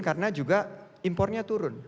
karena juga impornya turun